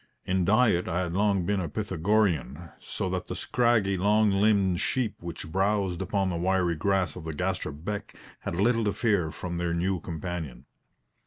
In diet I had long been a Pythagorean, so that the scraggy, long limbed sheep which browsed upon the wiry grass by the Gaster Beck had little to fear from their new companion.